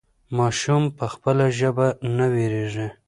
ماشوم په خپله ژبه نه وېرېږي.